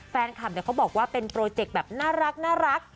แฟนคลับเนี่ยเขาบอกว่าเป็นโปรเจกต์แบบน่ารัก